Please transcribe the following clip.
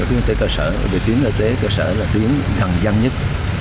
tuyến y tế cơ sở đề tuyến y tế cơ sở là tuyến gần gian nhất